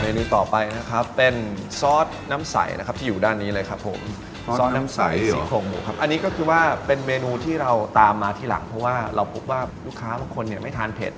เมนูต่อไปนะครับเป็นซอสน้ำใสนะครับที่อยู่ด้านนี้เลยครับผมซอสน้ำใสซี่โครงหมูครับอันนี้ก็คือว่าเป็นเมนูที่เราตามมาทีหลังเพราะว่าเราพบว่าลูกค้าบางคนเนี่ยไม่ทานเผ็ด